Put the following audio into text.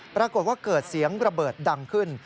ปรากฏว่าเกิดเสียงระเบิดดังขึ้น